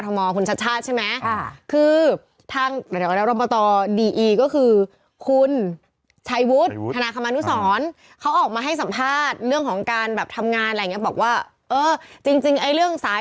ต้องการชมรุ่นพี่ศูนย์ของผมอยู่วิศัวร์จุฬาลงกอลเหมือนกัน